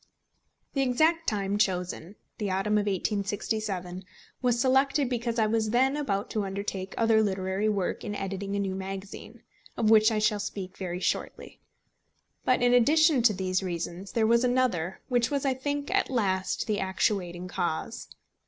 The exact time chosen, the autumn of 1867, was selected because I was then about to undertake other literary work in editing a new magazine, of which I shall speak very shortly. But in addition to these reasons there was another, which was, I think, at last the actuating cause.